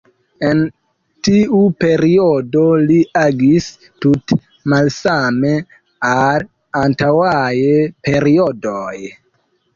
En tiu periodo, li agis tute malsame al antaŭaj periodoj.